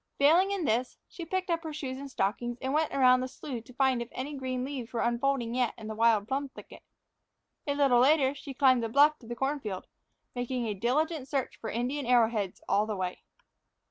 Failing in this, she picked up her shoes and stockings and went around the slough to find out if any green leaves were unfolding yet in the wild plum thicket. A little later she climbed the bluff to the corn field, making a diligent search for Indian arrowheads all the way.